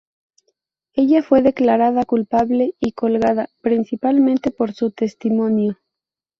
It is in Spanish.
Ella fue declarada culpable y colgada, principalmente por su testimonio.